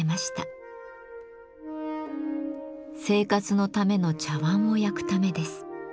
生活のための茶わんを焼くためです。